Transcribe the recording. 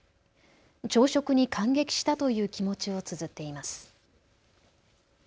朝食に感激したという気持ちをつづっています。